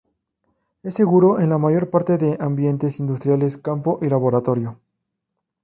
Es seguro en la mayor parte de ambientes industriales, campo y laboratorio.